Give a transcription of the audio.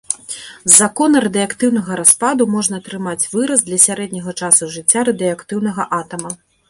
З закона радыеактыўнага распаду можна атрымаць выраз для сярэдняга часу жыцця радыеактыўнага атама.